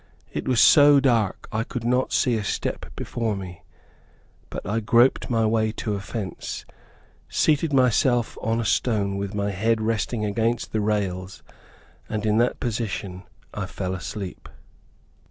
It was so dark I could not see a step before me, but I groped my way to a fence, seated myself on a stone with my head resting against the rails, and in that position I fell asleep.